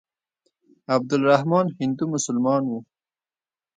عبدالرحمن هندو مسلمان وو.